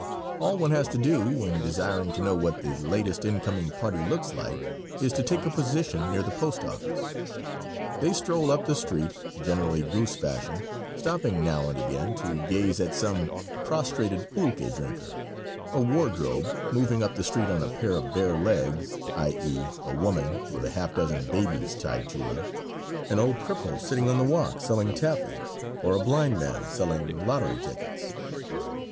All one has to do when desiring to know what the latest incoming party looks like, is to take a position near the post office. They stroll up the street, generally "goose fashion," stopping now and again to gaze at some prostrated pulque drinker; a wardrobe moving up the street on a pair of bare legs i. e., a woman with a half dozen babies tied to her; an old cripple sitting on the walk selling taffy, or a blind man selling lottery tickets.